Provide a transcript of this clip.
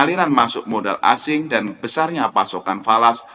aliran masuk modal asing dan besarnya pasokan falas